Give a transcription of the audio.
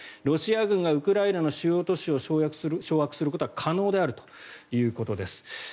ロシア軍がウクライナの主要都市を掌握することは可能であるということです。